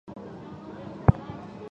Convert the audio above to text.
通常以一年内涨落的标准差来测量。